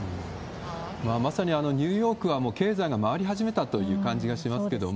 まさにニューヨークはもう経済が回り始めたという感じがしますけれども。